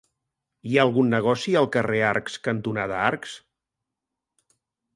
Hi ha algun negoci al carrer Arcs cantonada Arcs?